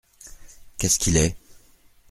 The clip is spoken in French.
Qu’est-ce qu’il est ?